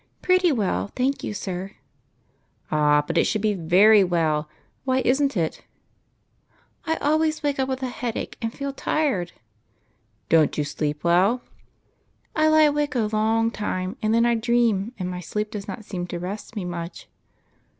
" Pretty well, thank you, sir." UNCLES. 25 " Ah, but it should be very icell Why is n't it ?"" I always wake up with a headache, and feel tired." " Don't you sleep well ?"" I lie awake a long time, and then I dream, and my sleep does not seem to rest me much."